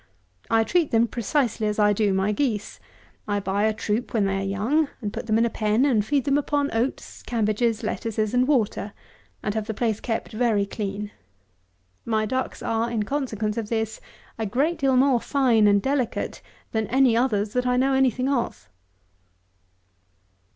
I treat them precisely as I do my geese. I buy a troop when they are young, and put them in a pen, and feed them upon oats, cabbages, lettuces, and water, and have the place kept very clean. My ducks are, in consequence of this, a great deal more fine and delicate than any others that I know any thing of.